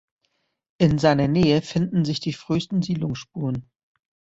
In seiner Nähe finden sich die frühesten Siedlungsspuren.